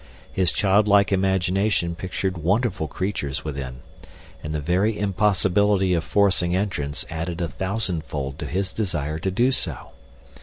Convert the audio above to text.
His child like imagination pictured wonderful creatures within, and the very impossibility of forcing entrance added a thousandfold to his desire to do so.